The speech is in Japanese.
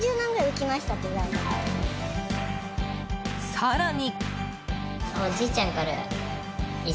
更に。